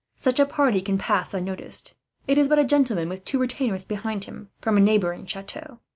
Such a party can pass unnoticed. It is but a gentleman, with two retainers behind him, from a neighbouring chateau."